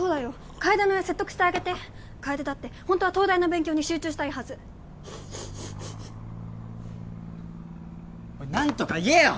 楓の親説得してあげて楓だってホントは東大の勉強に集中したいはず何とか言えよ！